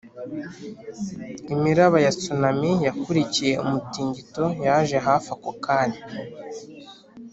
imiraba ya tsunami yakurikiye umutingito yaje hafi ako kanya.